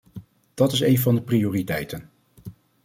Dat is een van de prioriteiten.